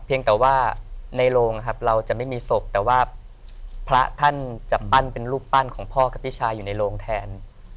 แต่ว่าในโรงครับเราจะไม่มีศพแต่ว่าพระท่านจะปั้นเป็นรูปปั้นของพ่อกับพี่ชายอยู่ในโรงแทน